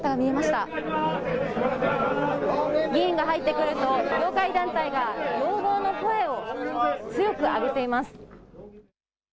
議員が入ってくるのを業界団体が要望の声を強く上げています。